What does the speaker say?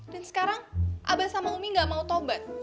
dan sekarang abah sama umi gak mau tobat